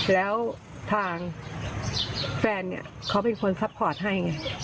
แล้วทางแฟนเขาเป็นคนซัพพอร์ตให้